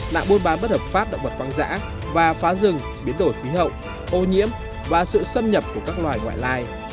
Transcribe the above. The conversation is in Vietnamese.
nạn buôn bán bất hợp pháp động vật hoang dã và phá rừng biến đổi khí hậu ô nhiễm và sự xâm nhập của các loài ngoại lai